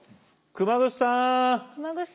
熊楠さん。